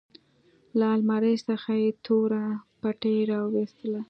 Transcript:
له المارۍ څخه يې توره پټۍ راوايستله.